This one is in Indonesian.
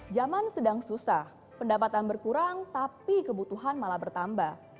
zaman sedang susah pendapatan berkurang tapi kebutuhan malah bertambah